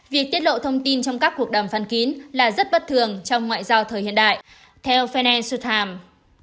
việc tiết lộ thông tin trong các cuộc đàm phân kín là rất bất thường trong ngoại giao thời hiện đại theo financial times